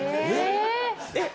えっ！